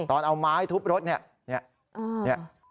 ตอนเอาไม้ทุบรถเนี่ย